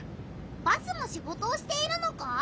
バスもシゴトをしているのか？